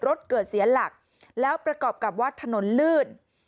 รถเกิดเสียหลักแล้วประกอบกับว่าถนนลื่น